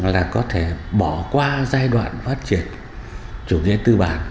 là có thể bỏ qua giai đoạn phát triển chủ nghĩa tư bản